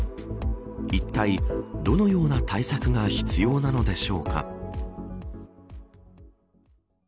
いったい、どのような対策が必要なのでしょうか。